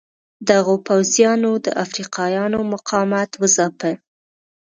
دغو پوځیانو د افریقایانو مقاومت وځاپه.